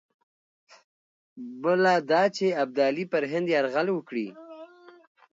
بله دا چې ابدالي پر هند یرغل وکړي.